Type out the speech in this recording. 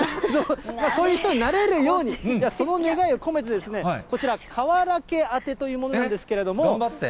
そういう人になれるように、では、その願いを込めて、こちら、かわらけ当てというものなんです頑張って。